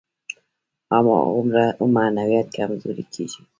هماغومره معنویت کمزوری کېږي.